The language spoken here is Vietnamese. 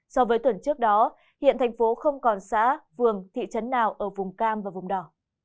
so với tuần trước đó hiện tp không còn xã vườn thị trấn nào ở vùng cam và vùng đỏ